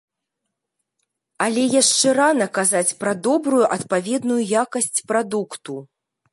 Але яшчэ рана казаць пра добрую адпаведную якасць прадукту.